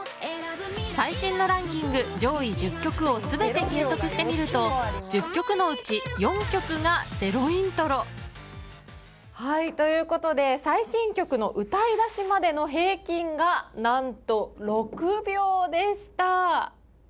最新のランキング上位１０曲を全て計測してみると１０曲のうち４曲がゼロイントロ。ということで最新曲の歌い出しまでの平均が、何と６秒でした。